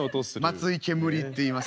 松井ケムリっていいます。